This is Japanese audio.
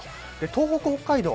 東北、北海道